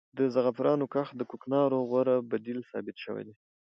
د زعفرانو کښت د کوکنارو غوره بدیل ثابت شوی دی.